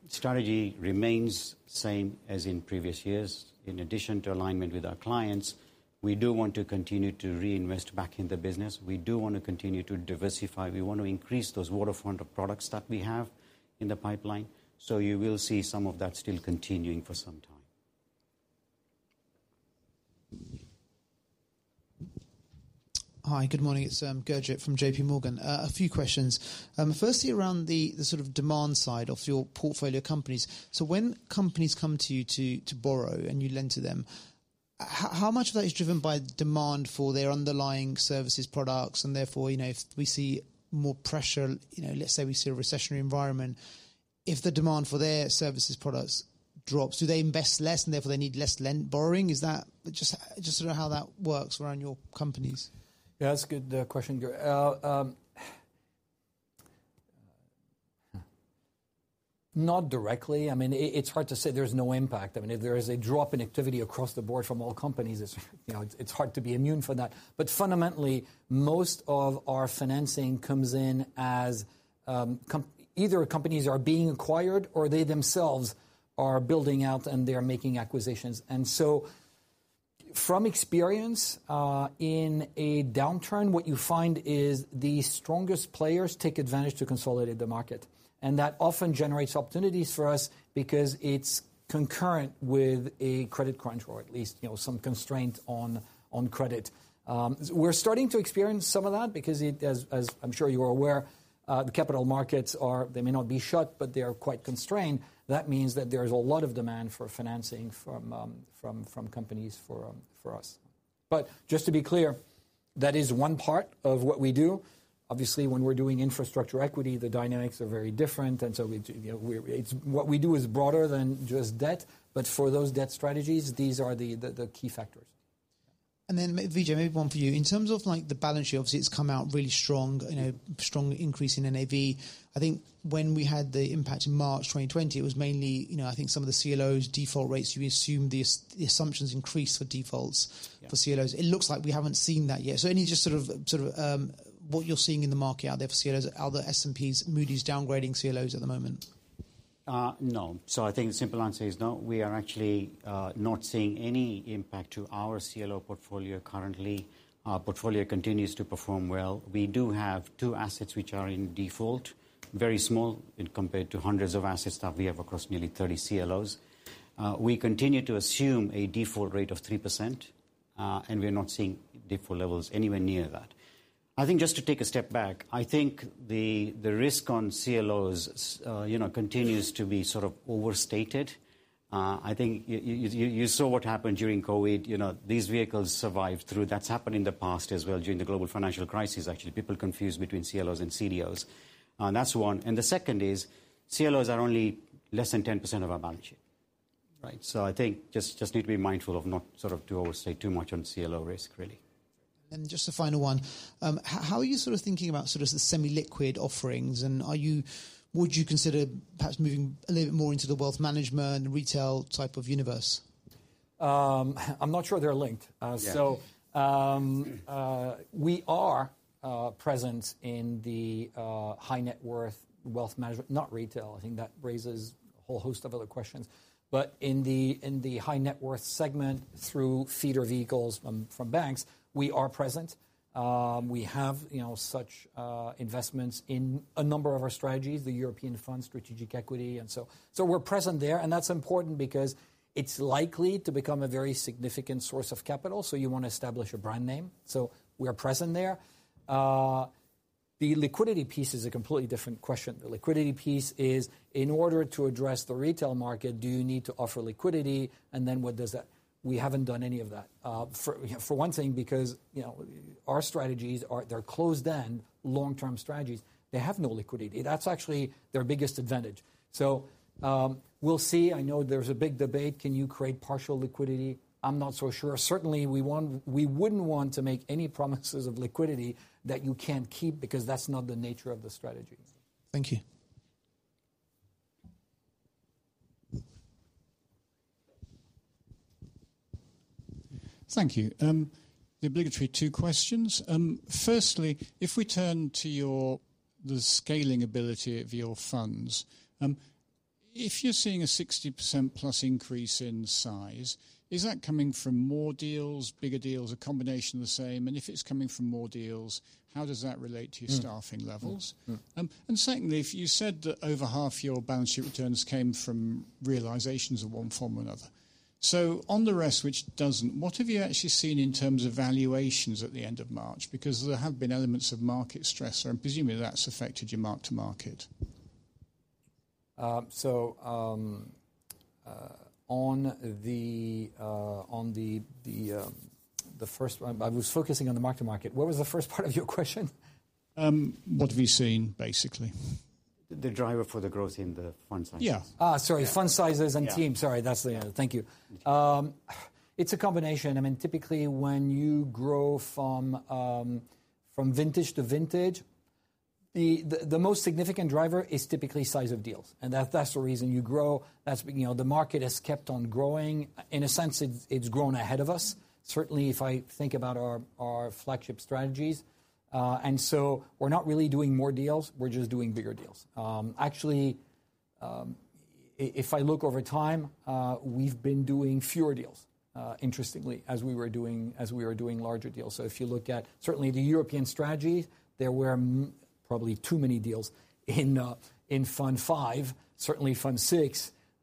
strategy remains same as in previous years. In addition to alignment with our clients, we do want to continue to reinvest back in the business. We do want to continue to diversify. We want to increase those waterfront of products that we have in the pipeline. You will see some of that still continuing for some time. Hi, good morning. It's Gurjit from JP Morgan. A few questions. Firstly around the sort of demand side of your portfolio companies. So when companies come to you to borrow and you lend to them, how much of that is driven by demand for their underlying services products and therefore, you know, if we see more pressure, you know, let's say we see a recessionary environment, if the demand for their services products drops, do they invest less and therefore they need less borrowing? Is that just sort of how that works around your companies. Yeah, that's a good question, Gurjit. Not directly. I mean, it's hard to say there's no impact. I mean, if there is a drop in activity across the board from all companies, you know, it's hard to be immune from that. Fundamentally, most of our financing comes in as either companies are being acquired or they themselves are building out and they are making acquisitions. From experience, in a downturn, what you find is the strongest players take advantage to consolidate the market. That often generates opportunities for us because it's concurrent with a credit crunch or at least, you know, some constraint on credit. We're starting to experience some of that because, as I'm sure you are aware, the capital markets are. They may not be shut, but they are quite constrained. That means that there's a lot of demand for financing from companies for us. But just to be clear, that is one part of what we do. Obviously, when we're doing infrastructure equity, the dynamics are very different, and so we do, you know, it's what we do is broader than just debt, but for those debt strategies, these are the key factors. V, maybe one for you. In terms of, like, the balance sheet, obviously it's come out really strong, you know, strong increase in NAV. I think when we had the impact in March 2020, it was mainly, you know, I think some of the CLOs default rates, you assume as the assumptions increase for defaults- Yeah. for CLOs. It looks like we haven't seen that yet. Any just sort of what you're seeing in the market out there for CLOs? Are the S&P's, Moody's downgrading CLOs at the moment? No. I think the simple answer is no. We are actually not seeing any impact to our CLO portfolio currently. Our portfolio continues to perform well. We do have two assets which are in default, very small compared to hundreds of assets that we have across nearly 30 CLOs. We continue to assume a default rate of 3%, and we're not seeing default levels anywhere near that. I think just to take a step back, I think the risk on CLOs, you know, continues to be sort of overstated. I think you saw what happened during COVID. You know, these vehicles survived through. That's happened in the past as well, during the global financial crisis, actually. People confuse between CLOs and CDOs. That's one. The second is CLOs are only less than 10% of our balance sheet, right? I think just need to be mindful of not sort of to overstate too much on CLO risk really. Just a final one. How are you sort of thinking about sort of the semi-liquid offerings, and would you consider perhaps moving a little bit more into the wealth management, retail type of universe? I'm not sure they're linked. Yeah. We are present in the high-net-worth wealth management, not retail. I think that raises a whole host of other questions. In the high-net-worth segment, through feeder vehicles from banks, we are present. We have, you know, such investments in a number of our strategies, the European fund, strategic equity, and so. We're present there, and that's important because it's likely to become a very significant source of capital. You want to establish a brand name, so we are present there. The liquidity piece is a completely different question. The liquidity piece is in order to address the retail market, do you need to offer liquidity, and then what does that. We haven't done any of that for one thing, because, you know, our strategies are. They're closed-end long-term strategies. They have no liquidity. That's actually their biggest advantage. So, we'll see. I know there's a big debate. Can you create partial liquidity? I'm not so sure. Certainly we wouldn't want to make any promises of liquidity that you can't keep, because that's not the nature of the strategy. Thank you. Thank you. The obligatory two questions. Firstly, if we turn to your, the scaling ability of your funds, if you're seeing a 60%+ increase in size, is that coming from more deals, bigger deals, a combination of the same? If it's coming from more deals, how does that relate to your staffing levels? Mm-hmm. Mm-hmm. if you said that over half your balance sheet returns came from realizations of one form or another, so on the rest, which doesn't, what have you actually seen in terms of valuations at the end of March? Because there have been elements of market stress, and presumably that's affected your mark-to-market. On the first one, I was focusing on the mark to market. What was the first part of your question? What have you seen, basically? The driver for the growth in the fund sizes. Yeah. Sorry, fund sizes and teams. Yeah. It's a combination. I mean, typically when you grow from vintage to vintage, the most significant driver is typically size of deals, and that's the reason you grow. That's, you know, the market has kept on growing. In a sense, it's grown ahead of us, certainly if I think about our flagship strategies. We're not really doing more deals. We're just doing bigger deals. Actually, if I look over time, we've been doing fewer deals, interestingly, as we were doing larger deals. If you look at certainly the European strategy, there were probably too many deals in fund V, certainly fund VI,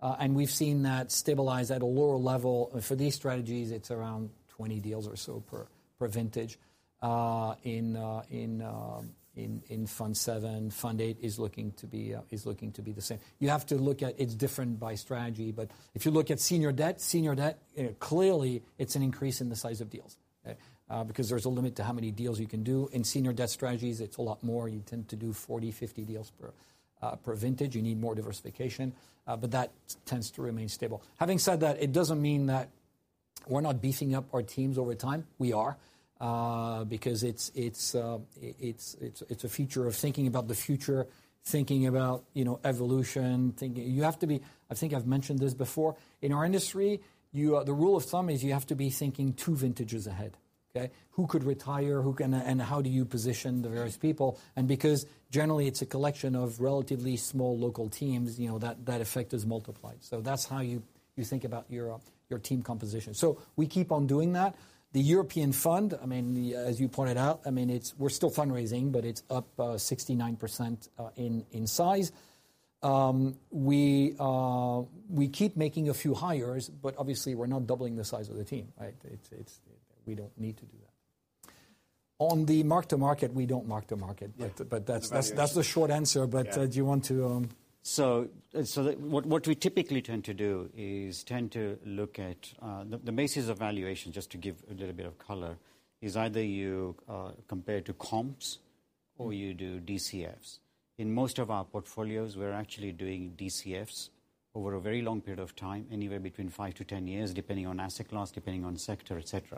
and we've seen that stabilize at a lower level. For these strategies, it's around 20 deals or so per vintage. In fund VII, fund eight is looking to be the same. You have to look at it. It's different by strategy. If you look at senior debt, clearly it's an increase in the size of deals, because there's a limit to how many deals you can do. In senior debt strategies, it's a lot more. You tend to do 40, 50 deals per vintage. You need more diversification, but that tends to remain stable. Having said that, it doesn't mean that we're not beefing up our teams over time. We are, because it's a feature of thinking about the future, thinking about, you know, evolution, thinking. I think I've mentioned this before. In our industry, the rule of thumb is you have to be thinking two vintages ahead, okay? Who could retire, who can and how do you position the various people? Because generally it's a collection of relatively small local teams, you know, that effect is multiplied. That's how you think about your team composition. We keep on doing that. The European fund, I mean, as you pointed out, I mean, it's, we're still fundraising, but it's up 69% in size. We keep making a few hires, but obviously we're not doubling the size of the team, right? It's, we don't need to do that. On the mark-to-market, we don't mark to market. Yeah. That's the short answer. Yeah. Do you want to? What we typically do is look at the basis of valuation. Just to give a little bit of color, either you compare to comps or you do DCFs. In most of our portfolios, we're actually doing DCFs over a very long period of time, anywhere between five-10 years, depending on asset class, depending on sector, etc.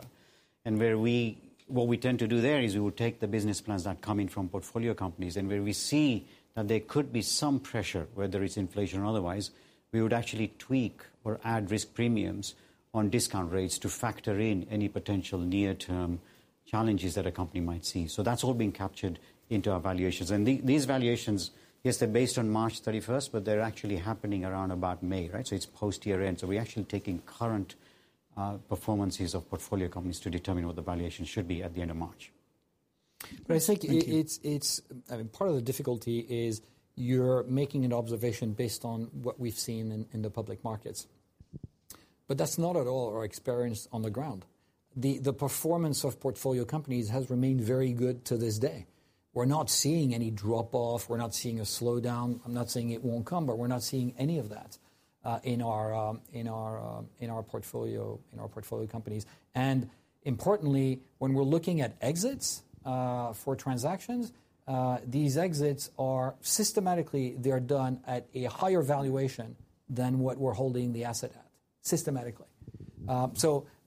What we tend to do there is we will take the business plans that are coming from portfolio companies, and where we see that there could be some pressure, whether it's inflation or otherwise, we would actually tweak or add risk premiums on discount rates to factor in any potential near-term challenges that a company might see. That's all being captured into our valuations. These valuations, yes, they're based on March thirty-first, but they're actually happening around about May, right? It's post-year-end. We're actually taking current performances of portfolio companies to determine what the valuation should be at the end of March. I think it's. Thank you. I mean, part of the difficulty is you're making an observation based on what we've seen in the public markets. That's not at all our experience on the ground. The performance of portfolio companies has remained very good to this day. We're not seeing any drop-off. We're not seeing a slowdown. I'm not saying it won't come, but we're not seeing any of that in our portfolio companies. Importantly, when we're looking at exits for transactions, these exits are done at a higher valuation than what we're holding the asset at, systematically.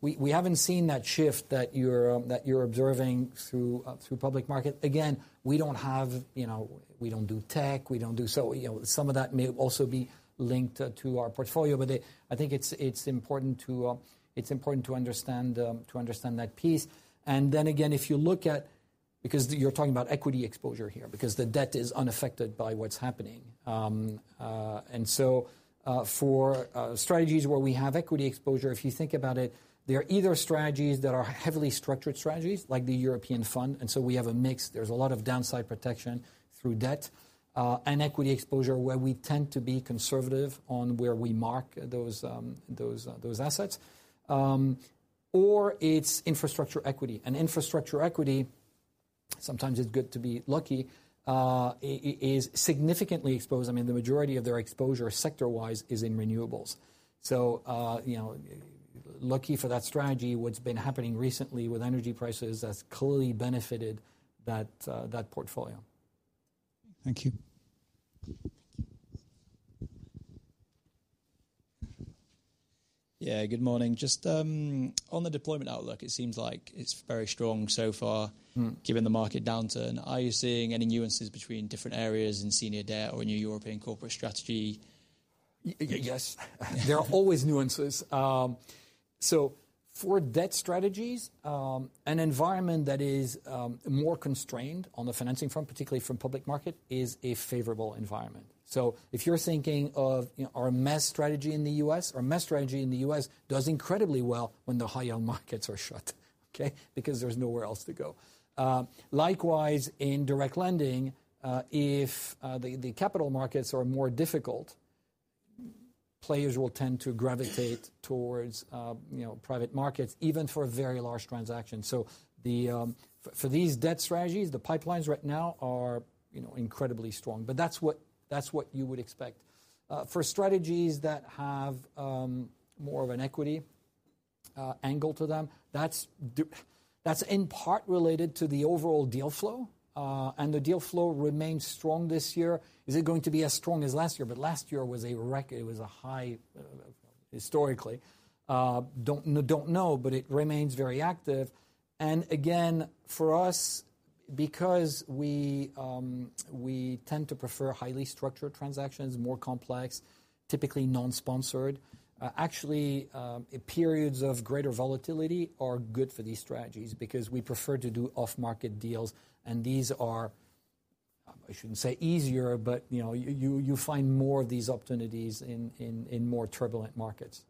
We haven't seen that shift that you're observing through public markets. Again, we don't have, you know, we don't do tech. We don't do You know, some of that may also be linked to our portfolio. I think it's important to understand that piece. Because you're talking about equity exposure here, because the debt is unaffected by what's happening. For strategies where we have equity exposure, if you think about it, they are either strategies that are heavily structured strategies like the European fund, and so we have a mix. There's a lot of downside protection through debt and equity exposure, where we tend to be conservative on where we mark those assets. Or it's infrastructure equity. Infrastructure equity, sometimes it's good to be lucky, is significantly exposed. I mean, the majority of their exposure sector-wise is in renewables. You know, lucky for that strategy, what's been happening recently with energy prices, that's clearly benefited that portfolio. Thank you. Yeah. Good morning. Just on the deployment outlook, it seems like it's very strong so far. Mm. Given the market downturn. Are you seeing any nuances between different areas in senior debt or in your European corporate strategy? Yes. There are always nuances. For debt strategies, an environment that is more constrained on the financing front, particularly from public market, is a favorable environment. If you're thinking of you know, our Mezzanine strategy in the U.S., it does incredibly well when the high yield markets are shut, okay? Because there's nowhere else to go. Likewise, in direct lending, if the capital markets are more difficult, players will tend to gravitate towards you know, private markets, even for very large transactions. For these debt strategies, the pipelines right now are you know, incredibly strong. But that's what you would expect. For strategies that have more of an equity angle to them, that's in part related to the overall deal flow. The deal flow remains strong this year. Is it going to be as strong as last year? Last year was a record. It was a high, historically. Don't know, but it remains very active. Again, for us, because we tend to prefer highly structured transactions, more complex, typically non-sponsored, actually, periods of greater volatility are good for these strategies because we prefer to do off-market deals, and these are, I shouldn't say easier, but you know, you find more of these opportunities in more turbulent markets.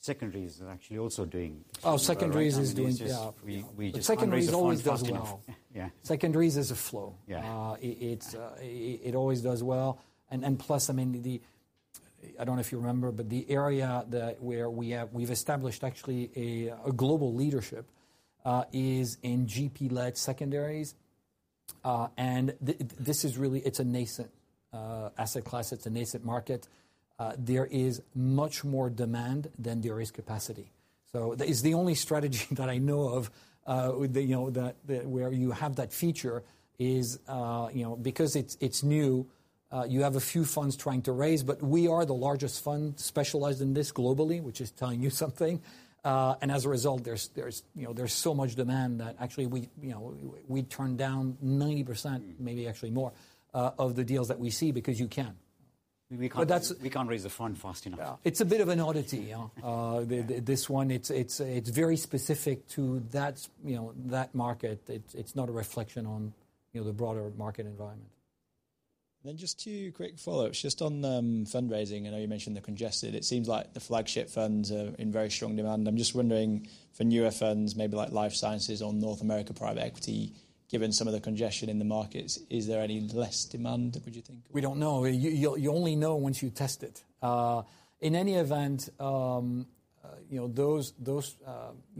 Secondaries are actually also doing. Oh, secondaries is doing, yeah. We just can't raise the funds fast enough. Secondaries always does well. Yeah. Secondaries is a flow. Yeah. It always does well. I mean, I don't know if you remember, but the area where we've established actually a global leadership is in GP-led secondaries. This is really a nascent asset class. It's a nascent market. There is much more demand than there is capacity. It's the only strategy that I know of, you know, that where you have that feature, you know, because it's new, you have a few funds trying to raise, but we are the largest fund specialized in this globally, which is telling you something. As a result, there's you know, so much demand that actually we, you know, we turn down 90%, maybe actually more, of the deals that we see because you can. That's- We can't raise the fund fast enough. It's a bit of an oddity, yeah. This one, it's very specific to that, you know, that market. It's not a reflection on, you know, the broader market environment. Just two quick follows, just on fundraising. I know you mentioned they're congested. It seems like the flagship funds are in very strong demand. I'm just wondering for newer funds, maybe like life sciences or North America private equity, given some of the congestion in the markets, is there any less demand, would you think? We don't know. You only know once you test it. In any event, you know, those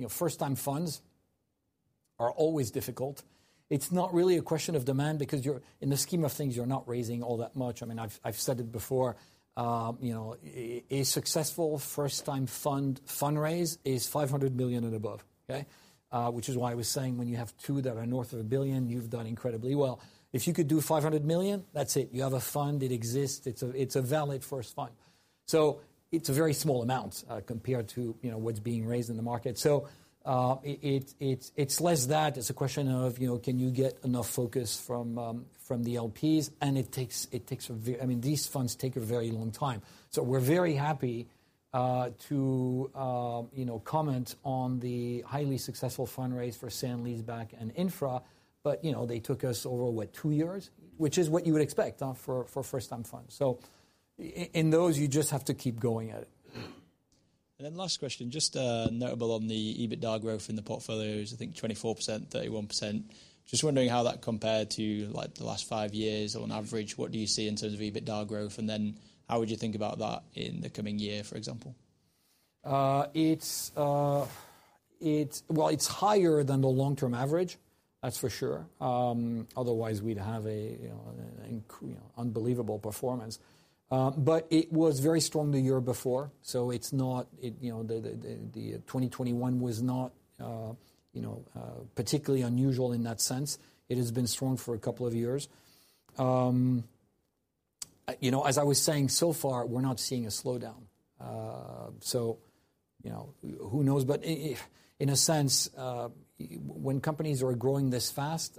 first time funds are always difficult. It's not really a question of demand because you're, in the scheme of things, you're not raising all that much. I mean, I've said it before, you know, a successful first time fundraise is 500 million and above. Okay. Which is why I was saying when you have two that are north of 1 billion, you've done incredibly well. If you could do 500 million, that's it. You have a fund, it exists, it's a valid first fund. It's very small amounts compared to, you know, what's being raised in the market. It's less that. It's a question of, you know, can you get enough focus from the LPs, and it takes, I mean, these funds take a very long time. We're very happy to, you know, comment on the highly successful fundraise for Sale and Leaseback and infra. You know, they took us over what? Two years. Which is what you would expect for first time funds. In those, you just have to keep going at it. Last question, just notable on the EBITDA growth in the portfolios, I think 24%, 31%. Just wondering how that compared to, like, the last five years or on average, what do you see in terms of EBITDA growth? How would you think about that in the coming year, for example? Well, it's higher than the long-term average, that's for sure. Otherwise we'd have a, you know, unbelievable performance. But it was very strong the year before, so it's not, it, you know, 2021 was not particularly unusual in that sense. It has been strong for a couple of years. You know, as I was saying, so far, we're not seeing a slowdown. So, you know, who knows? But if... In a sense, when companies are growing this fast,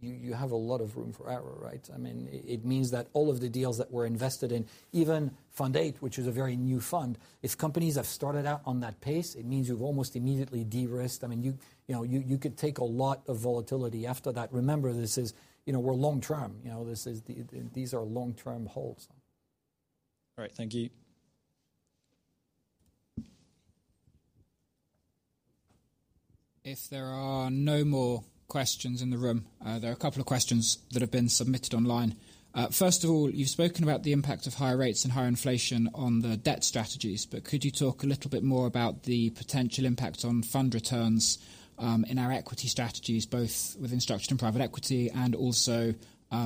you have a lot of room for error, right? I mean, it means that all of the deals that we're invested in, even Fund VIII, which is a very new fund, if companies have started out on that pace, it means you've almost immediately de-risked. I mean, you know, you could take a lot of volatility after that. Remember, you know, we're long-term. You know, these are long-term holds. All right. Thank you. If there are no more questions in the room, there are a couple of questions that have been submitted online. First of all, you've spoken about the impact of higher rates and higher inflation on the debt strategies, but could you talk a little bit more about the potential impact on fund returns, in our equity strategies, both within infrastructure and private equity and also,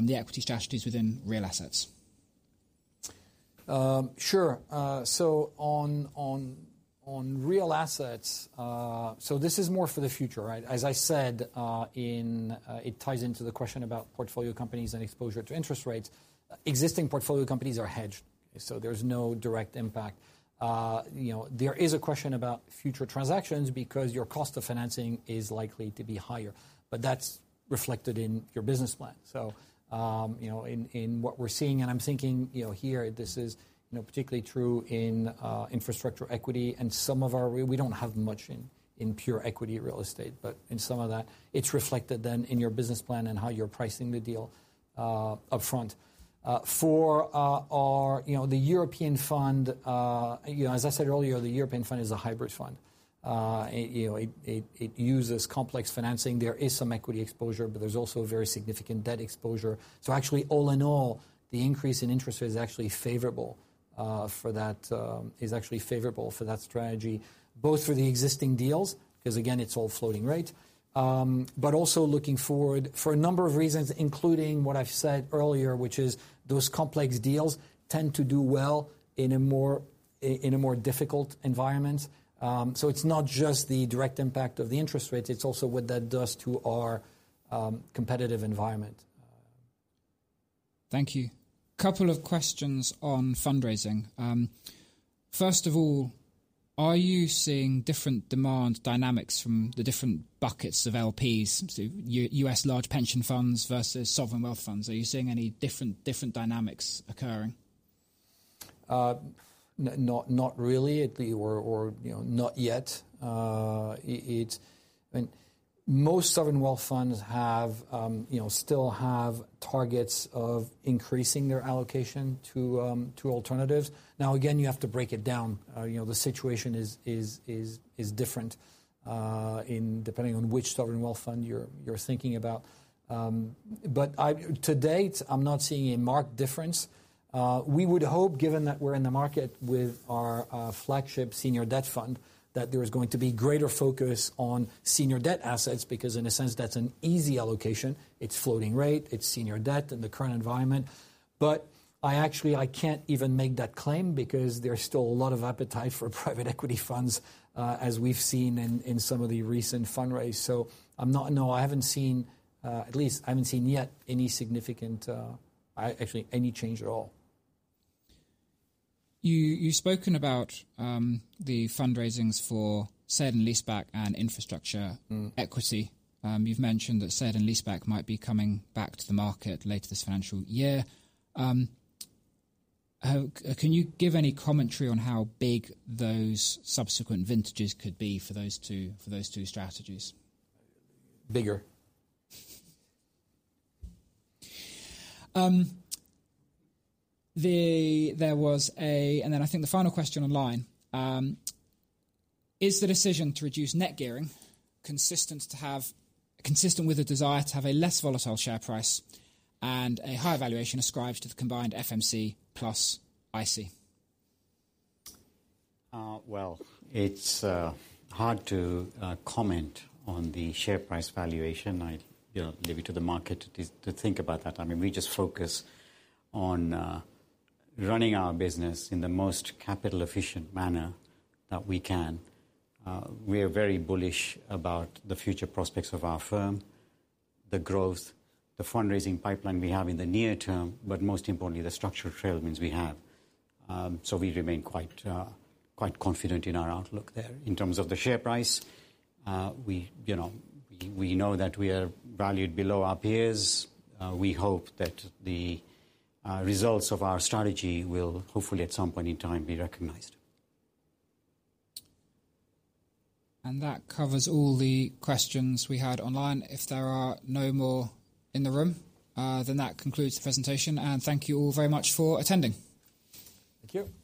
the equity strategies within real assets? Sure. On real assets, this is more for the future, right? As I said, it ties into the question about portfolio companies and exposure to interest rates. Existing portfolio companies are hedged, so there's no direct impact. You know, there is a question about future transactions because your cost of financing is likely to be higher. That's reflected in your business plan. You know, in what we're seeing, and I'm thinking here, this is particularly true in infrastructure equity and some of our. We don't have much in pure equity real estate, but in some of that, it's reflected then in your business plan and how you're pricing the deal upfront. For our. You know, the European fund, you know, as I said earlier, the European fund is a hybrid fund. You know, it uses complex financing. There is some equity exposure, but there's also a very significant debt exposure. Actually, all in all, the increase in interest rate is actually favorable for that strategy, both for the existing deals, 'cause again, it's all floating rate, but also looking forward for a number of reasons, including what I've said earlier, which is those complex deals tend to do well in a more difficult environment. It's not just the direct impact of the interest rate, it's also what that does to our competitive environment. Thank you. Couple of questions on fundraising. First of all, are you seeing different demand dynamics from the different buckets of LPs, so U.S. large pension funds versus sovereign wealth funds? Are you seeing any different dynamics occurring? Not really, you know, not yet. It's. I mean, most sovereign wealth funds have, you know, still have targets of increasing their allocation to alternatives. Now, again, you have to break it down. You know, the situation is different depending on which sovereign wealth fund you're thinking about. But to date, I'm not seeing a marked difference. We would hope, given that we're in the market with our flagship senior debt fund, that there is going to be greater focus on senior debt assets, because in a sense, that's an easy allocation. It's floating rate, it's senior debt in the current environment. I actually can't even make that claim because there's still a lot of appetite for private equity funds, as we've seen in some of the recent fundraises. No, at least I haven't seen yet any significant, actually, any change at all. You've spoken about the fundraisings for Sale and Leaseback and Infrastructure. Mm. -equity. You've mentioned that Sale and Leaseback might be coming back to the market later this financial year. Can you give any commentary on how big those subsequent vintages could be for those two strategies? Bigger. I think the final question online is the decision to reduce net gearing consistent with a desire to have a less volatile share price and a high valuation ascribed to the combined FMC plus IC? Well, it's hard to comment on the share price valuation. I'd, you know, leave it to the market to think about that. I mean, we just focus on running our business in the most capital efficient manner that we can. We are very bullish about the future prospects of our firm, the growth, the fundraising pipeline we have in the near term, but most importantly, the structural tailwinds we have. We remain quite confident in our outlook there. In terms of the share price, we, you know, we know that we are valued below our peers. We hope that the results of our strategy will hopefully at some point in time be recognized. That covers all the questions we had online. If there are no more in the room, then that concludes the presentation, and thank you all very much for attending. Thank you.